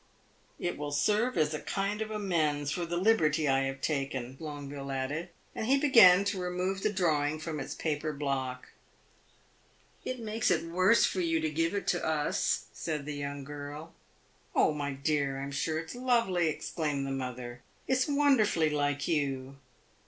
"It will serve as a kind of amends for the liberty I have taken," Longueville added; and he began to remove the drawing from its paper block. "It makes it worse for you to give it to us," said the young girl. "Oh, my dear, I am sure it 's lovely!" exclaimed her mother. "It 's wonderfully like you."